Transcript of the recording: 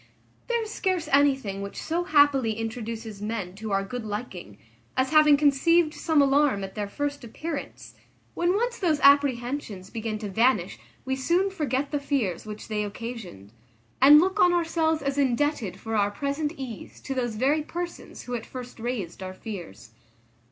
There is scarce anything which so happily introduces men to our good liking, as having conceived some alarm at their first appearance; when once those apprehensions begin to vanish we soon forget the fears which they occasioned, and look on ourselves as indebted for our present ease to those very persons who at first raised our fears.